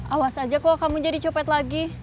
awas aja kok kamu jadi copet lagi